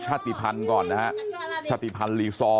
ชาวบ้านในพื้นที่บอกว่าปกติผู้ตายเขาก็อยู่กับสามีแล้วก็ลูกสองคนนะฮะ